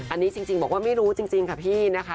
อันนี้จริงบอกว่าไม่รู้จริงค่ะพี่นะคะ